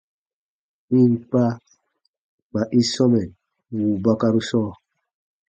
Ì n kpa, kpa i sɔmɛ wùu bakaru sɔɔ.